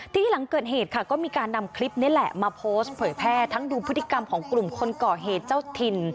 ทีนี้หลังเกิดเหตุค่ะก็มีการนำคลิปนี้แหละมาโพสต์เผยแพร่ทั้งดูพฤติกรรมของกลุ่มคนก่อเหตุเจ้าถิ่น